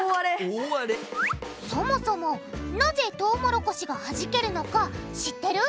そもそもなぜトウモロコシがはじけるのか知ってる？